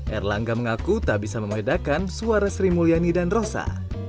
erlangga mengaku tak bisa membedakan suara sri mulyani dan rosa